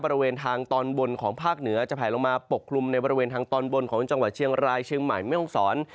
บริเวณทางตอนบนของภาคเหนือจะแผลลงมาปกคลุมในบริเวณทางตอนบนของจังหวัดเชียงรายเชียงใหม่แม่ห้องศร